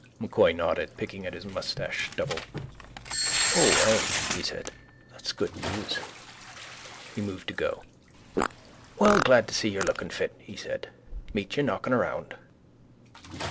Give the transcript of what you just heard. M'Coy nodded, picking at his moustache stubble. —O, well, he said. That's good news. He moved to go. —Well, glad to see you looking fit, he said. Meet you knocking around.